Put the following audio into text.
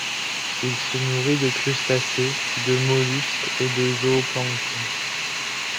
Il se nourrit de crustacés, de mollusques et de zooplancton.